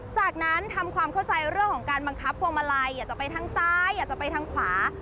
จากนั้นทำความเข้าใจเรื่องของการบังคับพวงมาลัยอยากจะไปทางซ้ายอยากจะไปทางขวา